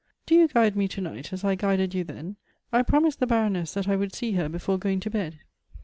Do you guide me to night, as I guided you then. I promised the Baroness that I would see her before going to bed.